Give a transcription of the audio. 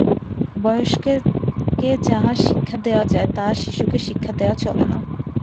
বয়স্ককে যাহা শিক্ষা দেওয়া যায়, তাহা শিশুকে শিক্ষা দেওয়া চলে না।